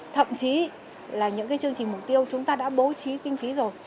thậm chí là những cái chương trình mục tiêu chúng ta đã bố trí kinh phí rồi